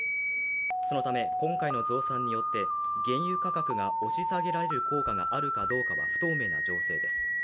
そのため今回の増産によって原油価格が押し下げられる効果があるかどうかは不透明な情勢です。